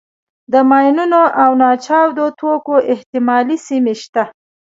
د ماینونو او ناچاودو توکو احتمالي سیمې شته.